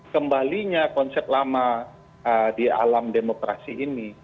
kembalinya konsep lama di alam demokrasi ini